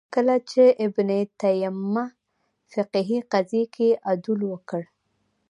کله چې ابن تیمیه فقهې قضیې کې عدول وکړ